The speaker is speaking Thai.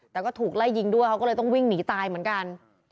แต่ก็ถูกไล่ยิงด้วยเขาก็เลยต้องวิ่งหนีตายเหมือนกัน